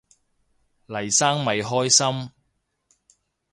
黎生咪開心